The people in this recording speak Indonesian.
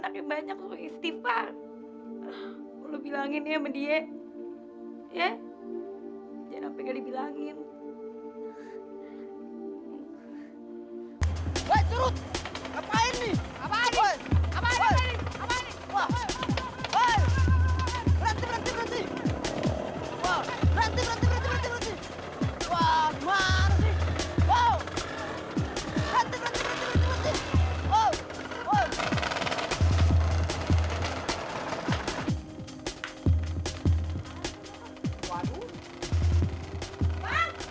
terima kasih ini terbanyaklah buat orang wart